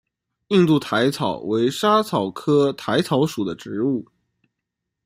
印度薹草为莎草科薹草属的植物。